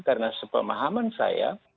karena sepemahaman saya